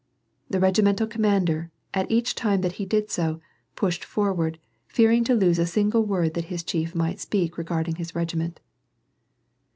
The regimental commander, each time that he did so,' pushed forward, fearing to lose a*single word that his chief might speak regarding his regiment.